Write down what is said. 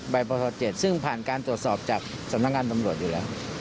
ปศ๗ซึ่งผ่านการตรวจสอบจากสำนักงานตำรวจอยู่แล้ว